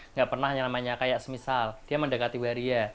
nggak pernah yang namanya kayak semisal dia mendekati waria